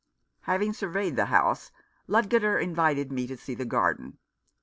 Having surveyed the house, Ludgater invited me to see the garden.